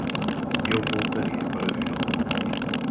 Eu voltaria para vê-lo!